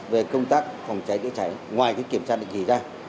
về công tác phòng cháy chữa cháy ngoài kiểm tra định kỳ ra